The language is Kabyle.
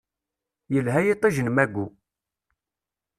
Yelha yiṭij n mayu.